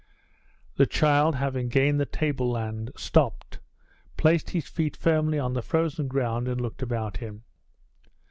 The child, having gained the tableland, stopped, placed his feet firmly on the frozen ground, and looked about him.